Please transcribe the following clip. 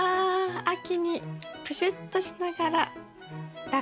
秋にプシュッとしながらラッカセイ。